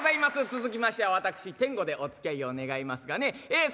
続きましては私天吾でおつきあいを願いますがねえ